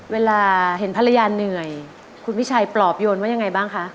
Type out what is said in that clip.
เวลาเห็นภรรยาเหนื่อยคุณพิชัยปลอบโยนว่ายังไงบ้างคะ